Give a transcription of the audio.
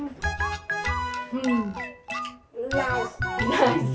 ナイス。